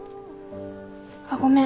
あっごめん